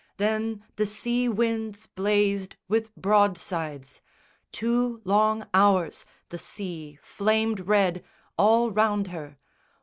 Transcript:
Then the sea winds blazed With broadsides. Two long hours the sea flamed red All round her.